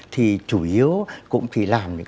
thì chủ yếu cũng phải làm